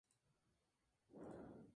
La sede del condado es De Kalb.